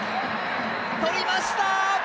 とりました！